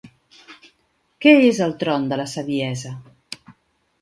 Què és el Tron de la Saviesa?